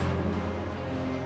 dia harus dimasukkan ke dalam penjara